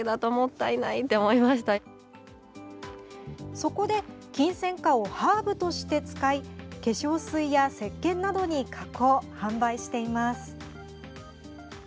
そこで、キンセンカをハーブとして使い化粧水やせっけんなどに加工販売しています。